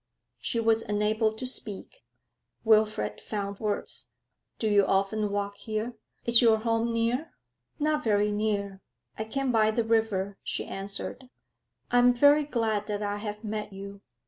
She was unable to speak; Wilfrid found words. 'Do you often walk here? Is your home near?' 'Not very near. I came by the river,' she answered. 'I am very glad that I have met you.'